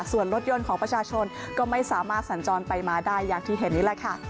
ส่วนรถยนต์ของประชาชนก็ไม่สามารถสัญจรไปมาได้อย่างที่เห็นนี่แหละค่ะ